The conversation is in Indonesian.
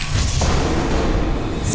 ya udah kakaknya sudah selesai